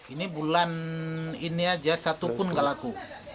ini bulan ini saja satu pun tidak laku